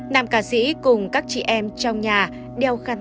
năm ca sĩ cùng các chị em trong nhà đang chăm lo vẹn toàn cho hậu sự của ca sĩ